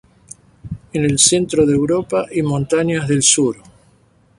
En el centro de Europa y montañas del sur.